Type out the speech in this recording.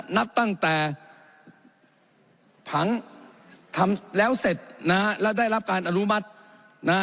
นับตั้งแต่ผังทำแล้วเสร็จนะฮะแล้วได้รับการอนุมัตินะ